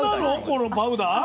このパウダー？